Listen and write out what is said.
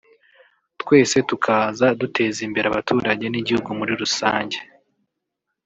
twese tukaza duteza imbere abaturage n’igihugu muri rusange